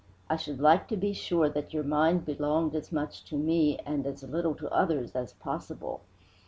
I should like to be sure that your mind belonged as much to me and as little to others as possible.